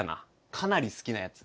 かなり好きなやつ。